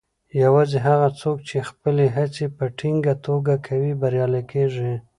یوازې هغه څوک چې خپلې هڅې په ټینګه توګه کوي، بریالي کیږي.